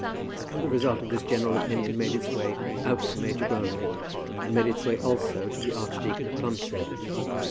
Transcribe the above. And the result of this general opinion made its way out to Major Grantly, and made its way, also, to the archdeacon at Plumstead.